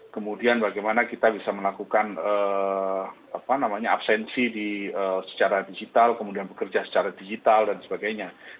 kemudian bagaimana kita bisa melakukan absensi secara digital kemudian bekerja secara digital dan sebagainya